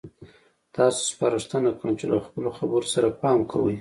تاسو ته سپارښتنه کوم چې له خپلو خبرو سره پام کوئ.